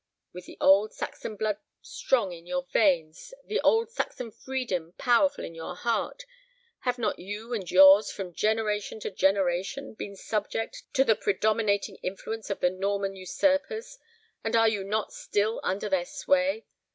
With the old Saxon blood strong in your veins, the old Saxon freedom powerful in your heart, have not you and yours, from generation to generation, been subject to the predominating influence of the Norman usurpers, and are you not still under their sway?